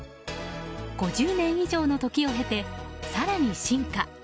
５０年以上の時を経て更に進化。